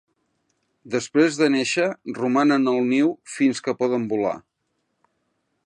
Després de nàixer romanen al niu fins que poden volar.